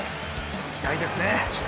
期待ですね。